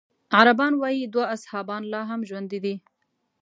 عربان وايي دوه اصحابان لا هم ژوندي دي.